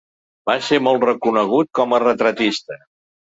Va ser molt reconegut com a retratista.